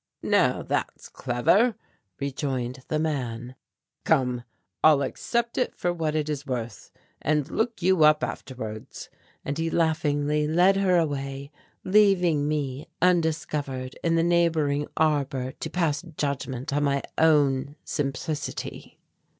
"Now that's clever," rejoined the man, "come, I'll accept it for what it is worth, and look you up afterwards," and he laughingly led her away, leaving me undiscovered in the neighbouring arbour to pass judgment on my own simplicity.